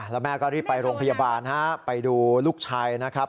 แล้วแม่ก็รีบไปโรงพยาบาลฮะไปดูลูกชายนะครับ